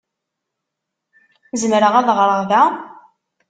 Zemreɣ ad ɣreɣ da?